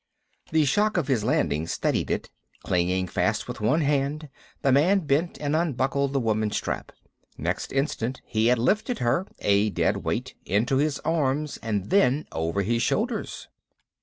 The shock of his landing steadied it. Clinging fast with one hand, the man bent and unbuckled the woman's strap. Next instant he had lifted her, a dead weight, into his arms and then over his shoulders.